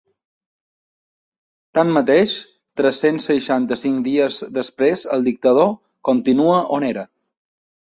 Tanmateix, tres-cents seixanta-cinc dies després el dictador continua on era.